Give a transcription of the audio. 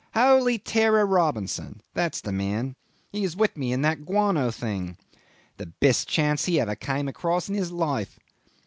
Holy Terror Robinson. That's the man. He is with me in that guano thing. The best chance he ever came across in his life."